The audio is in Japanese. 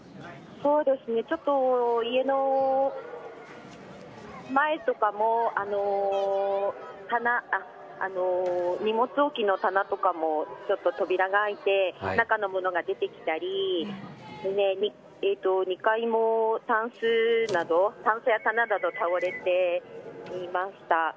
そうですね、ちょっと家の前とかも荷物置きの棚とかもちょっと扉が開いて中の物が出てきたり２階もタンスや棚などが倒れていました。